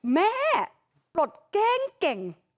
แม่ปลดแกล้งเก่ง